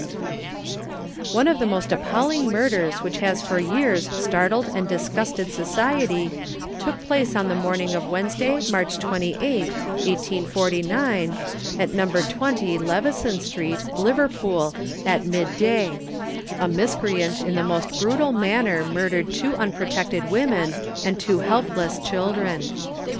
One of the most appalling murders which has for years startled and disgusted society took place on the morning of Wednesday, March 28th, 1849, at No. 20, Leveson Street, Liverpool, at mid day. A miscreant in the most brutal manner murdered two unprotected women and two helpless children.